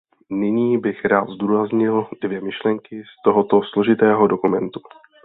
Nyní bych rád zdůraznil dvě myšlenky z tohoto složitého dokumentu.